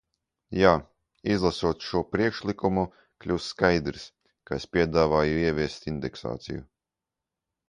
Jā, izlasot šo priekšlikumu, kļūst skaidrs, ka es piedāvāju ieviest indeksāciju.